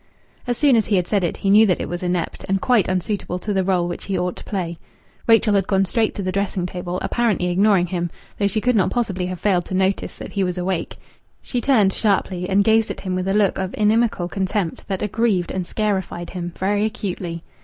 As soon as he had said it he knew that it was inept, and quite unsuitable to the role which he ought to play. Rachel had gone straight to the dressing table, apparently ignoring him, though she could not possibly have failed to notice that he was awake. She turned sharply and gazed at him with a look of inimical contempt that aggrieved and scarified him very acutely.